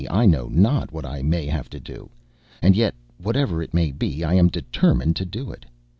I know not what I may have to do. And yet, whatever it may be, I am determined to do it.